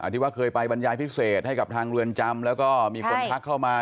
ที่ว่าเคยไปบรรยายพิเศษให้กับทางเรือนจำแล้วก็มีคนทักเข้ามา